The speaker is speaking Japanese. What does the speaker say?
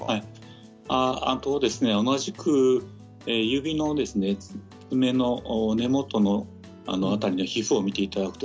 同じく指の爪の根元の辺りの皮膚を見てください。